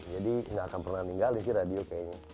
jadi nggak akan pernah meninggalin sih radio kayaknya